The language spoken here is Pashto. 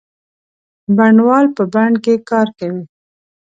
بڼوال په بڼ کې کار کوي.